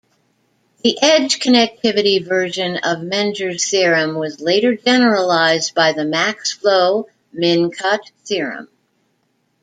The edge-connectivity version of Menger's theorem was later generalized by the max-flow min-cut theorem.